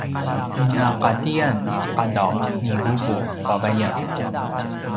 inaqatiyan a qadaw ni vuvu vavayan